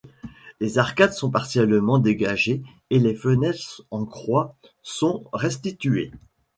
Les arcades sont partiellement dégagées et les fenêtres en croix sont restituées.